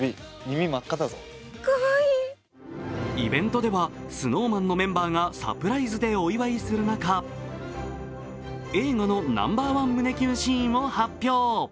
イベントではＳｎｏｗＭａｎのメンバーがサプライズでお祝いする中、映画のナンバーワン胸キュンシーンを発表。